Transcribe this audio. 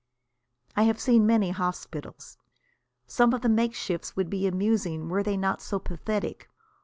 I have seen many hospitals. Some of the makeshifts would be amusing were they not so pathetic.